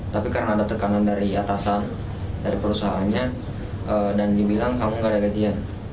tapi karena ada tekanan dari atasan dari perusahaannya dan dibilang kamu gak ada gajian